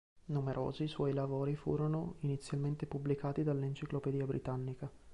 Numerosi suoi lavori furono inizialmente pubblicati dall"'Enciclopedia Britannica".